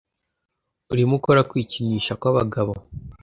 urimo ukora kwikinisha kwabagabo